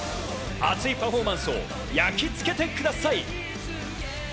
熱いパフォーマンスを焼き付けてください。